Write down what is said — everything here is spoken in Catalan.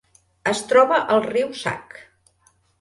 Es troba al riu Sac.